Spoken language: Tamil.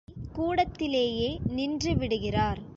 தந்தை கூடத்திலேயே நின்றுவிடுகிறார்.